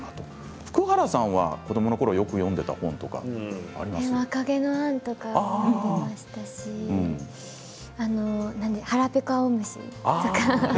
福原さんは子どものころよく「赤毛のアン」とか読んでいましたし「はらぺこあおむし」とか。